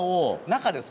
中です。